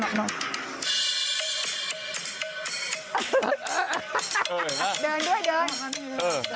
ขอบคุณพี่นุ้ยนะคะ